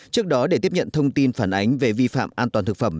trước đó để tiếp nhận thông tin phản ánh về vi phạm an toàn thực phẩm